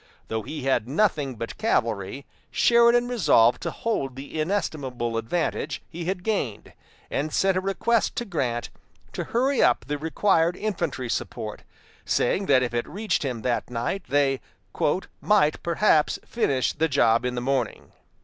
Though he had nothing but cavalry, Sheridan resolved to hold the inestimable advantage he had gained, and sent a request to Grant to hurry up the required infantry support; saying that if it reached him that night, they "might perhaps finish the job in the morning."